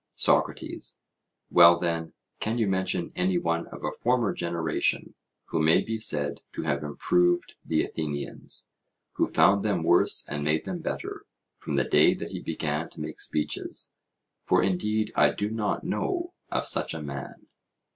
SOCRATES: Well, then, can you mention any one of a former generation, who may be said to have improved the Athenians, who found them worse and made them better, from the day that he began to make speeches? for, indeed, I do not know of such a man.